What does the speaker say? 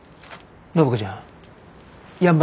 暢子ちゃん